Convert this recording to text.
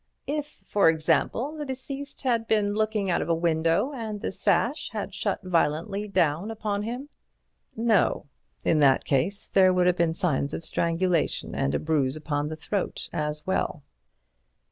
"If, for example, the deceased had been looking out of window, and the sash had shut violently down upon him?" "No; in that case there would have been signs of strangulation and a bruise upon the throat as well."